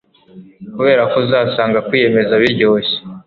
kuberako uzasanga kwiyemeza biryoshye